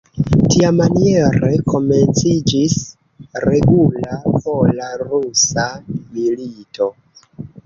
Tiamaniere komenciĝis regula pola-rusa milito.